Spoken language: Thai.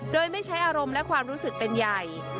โดยไม่ใช้อารมณ์และความรู้สึกเป็นใหญ่